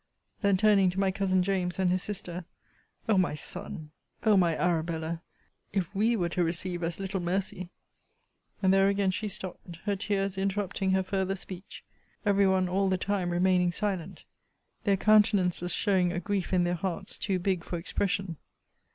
Then, turning to my cousin James, and his sister O my son! O my Arabella! if WE were to receive as little mercy And there again she stopt, her tears interrupting her farther speech; every one, all the time, remaining silent; their countenances showing a grief in their hearts too big for expression.